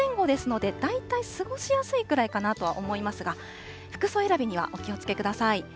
２０度前後ですので、大体過ごしやすいくらいかなとは思いますが、服装選びにはお気をつけください。